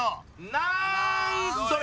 なんそれ！